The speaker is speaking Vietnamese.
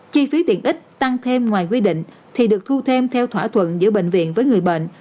chi phí tiện ích tăng thêm ngoài quy định thì được thu thêm theo thỏa thuận giữa bệnh viện với người bệnh